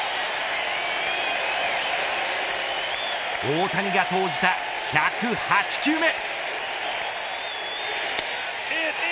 大谷が投じた１０８球目。